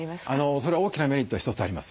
それは大きなメリットが一つあります。